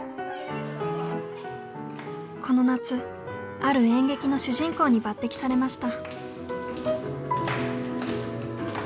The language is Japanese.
この夏ある演劇の主人公に抜てきされました。